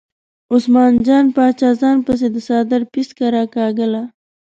عثمان جان باچا ځان پسې د څادر پیڅکه راکاږله.